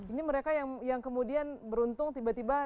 ini mereka yang kemudian beruntung tiba tiba